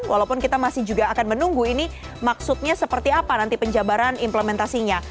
walaupun kita masih juga akan menunggu ini maksudnya seperti apa nanti penjabaran implementasinya